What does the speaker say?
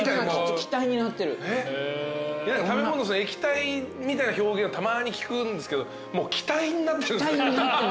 食べ物液体みたいな表現はたまに聞くんですけどもう気体になってる？